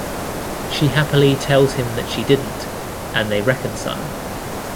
She happily tells him that she didn't and they reconcile.